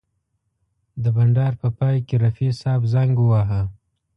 د بنډار په پای کې رفیع صاحب زنګ وواهه.